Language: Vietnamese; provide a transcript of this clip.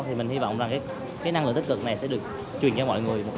thì mình hy vọng rằng cái năng lượng tích cực này sẽ được truyền cho mọi người